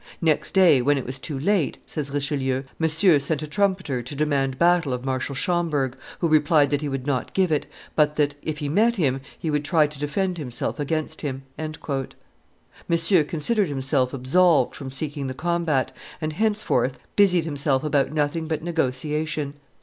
"Next day, when it was too late," says Richelieu, "Monsieur sent a trumpeter to demand battle of Marshal Schomberg, who replied that he would not give it, but that, if he met him, he would try to defend himself against him." Monsieur considered himself absolved from seeking the combat, and henceforth busied himself about nothing but negotiation.